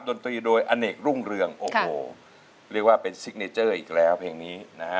ดนตรีโดยอเนกรุ่งเรืองโอ้โหเรียกว่าเป็นซิกเนเจอร์อีกแล้วเพลงนี้นะฮะ